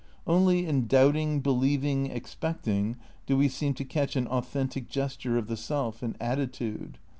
Only in doubting, believing, expecting, do we seem to catch an authentic gesture of the self, an attitude.